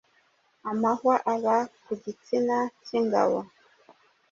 amahwa aba ku gitsina cy’ingabo